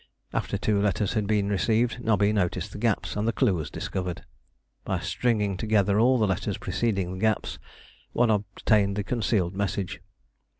After two letters had been received, Nobby noticed the gaps, and the clue was discovered. By stringing together all the letters preceding the gaps, one obtained the concealed message.